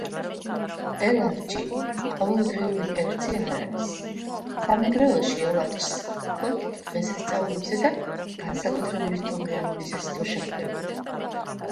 ელარჯი ყოველდღიური კერძი არ არის. სამეგრელოში ელარჯს მხოლოდ დღესასწაულებზე და განსაკუთრებული სტუმრიანობისას თუ შეხვდებით.